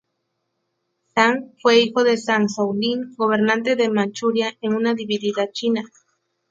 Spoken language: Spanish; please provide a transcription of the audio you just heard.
Zhang fue hijo de Zhang Zuolin, gobernante de Manchuria en una dividida China.